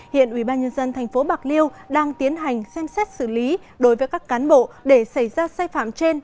hiện ubnd tp bạc liêu đang tiến hành xem xét xử lý đối với các cán bộ để xảy ra sai phạm trên